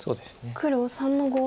黒３の五。